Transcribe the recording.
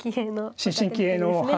新進気鋭のはい。